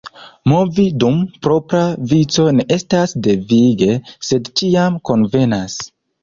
Movi dum propra vico ne estas devige, sed ĉiam konvenas.